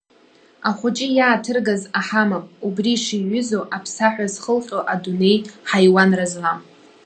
Ахәыҷы иааҭыргаз аҳамам, убри ишиҩызоу, аԥсаҳәа зхылҟьо адунеи ҳаиуанра злам…